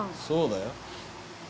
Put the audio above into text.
そうだよ。